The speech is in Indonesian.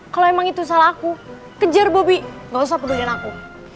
kalo emang itu salah aku kejar bobby nggak usah peduliin aku